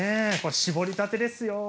搾りたてですよ。